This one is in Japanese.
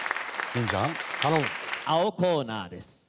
青コーナーです。